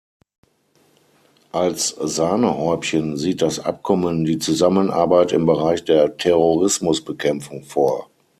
Als Sahnehäubchen sieht das Abkommen die Zusammenarbeit im Bereich der Terrorismusbekämpfung vor.